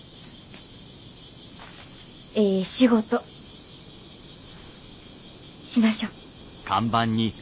ええ仕事しましょう！